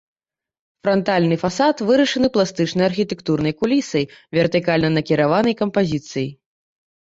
Франтальны фасад вырашаны пластычнай архітэктурнай кулісай вертыкальна накіраванай кампазіцыяй.